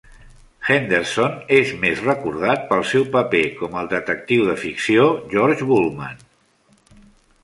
Henderson és més recordat pel seu paper com al detectiu de ficció George Bulman.